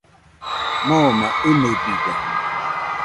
Moma inɨbide.